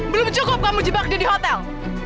belum cukup kamu jebak jadi hotel